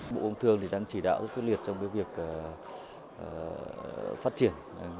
bộ công thương đang chỉ đạo rất quyết liệt trong việc phát triển